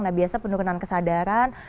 nah biasa penurunan kesadaran